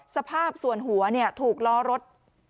สภาพส่วนหัวถูกล้อรถ